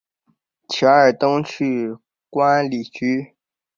钱尔登去官里居。